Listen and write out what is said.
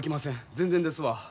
全然ですわ。